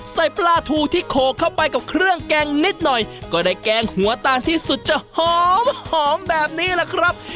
ใส่ปลาทูที่โขกเข้าไปกับเครื่องแกงนิดหน่อยก็ได้แกงหัวตาลที่สุดจะหอมหอมแบบนี้แหละครับ